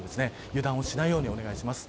油断をしないようにお願いします。